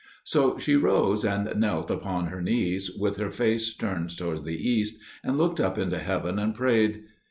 So she rose and knelt upon her knees, with her face turned towards the east, and looked up into heaven and prayed.